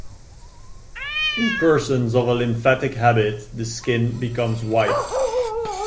In persons of a lymphatic habit, the skin becomes white.